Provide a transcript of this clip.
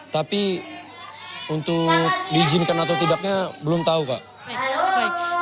tapi untuk diizinkan atau tidaknya belum tahu pak